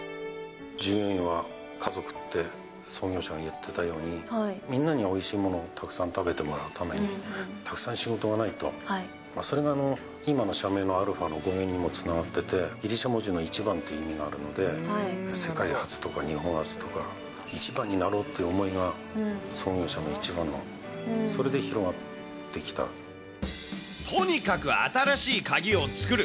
従業員は家族って創業者が言ってたように、みんなにおいしいものをたくさん食べてもらうために、たくさん仕事がないと、それが今の社名のアルファの語源にもつながっていて、ギリシャ文字の一番という意味があるので、世界初とか、日本初とか、一番になろうっていう思いが、創業者の一番の、それで広がってとにかく新しい鍵を作る。